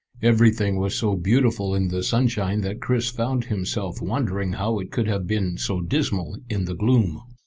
Everything was so beautiful in the sunshine that Chris found himself wondering how it could have been so dismal in the gloom.